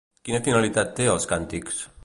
Quina finalitat té els càntics?